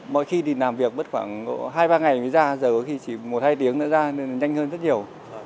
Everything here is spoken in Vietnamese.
mọi khi đi làm việc mất khoảng hai ba ngày mới ra giờ có khi chỉ một hai tiếng đã ra nên nhanh hơn rất nhiều